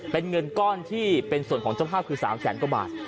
เป็นเงินก้อนที่เป็นส่วนของเจ้าภาพคือ๓แสนกว่าบาท